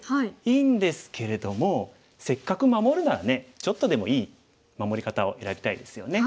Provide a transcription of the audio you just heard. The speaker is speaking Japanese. いいんですけれどもせっかく守るならねちょっとでもいい守り方を選びたいですよね。